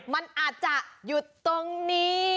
มันอาจจะหยุดตรงนี้